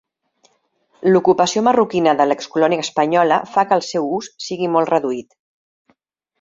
L'ocupació marroquina de l'excolònia espanyola fa que el seu ús sigui molt reduït.